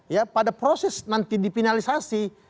ya pada proses nanti difinalisasi